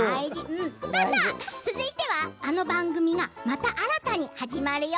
続いてはあの番組がまた新たに始まるよ。